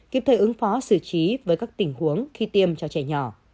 kịp thời ứng phó xử trí với các tình huống khi tiêm cho trẻ nhỏ